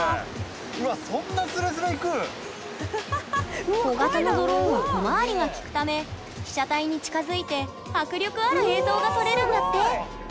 うわっそんなすれすれ行く⁉小型のドローンは小回りが利くため被写体に近づいて迫力ある映像が撮れるんだって！